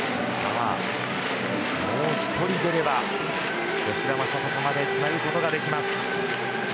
もう１人出れば吉田正尚までつなぐことができます。